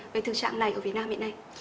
về thực trạng này ở việt nam hiện nay